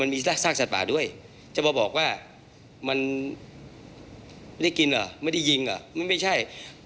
มีซากสัตว์ป่าด้วยจะมาบอกว่ามันไม่ได้กินเหรอไม่ได้ยิงอ่ะมันไม่ใช่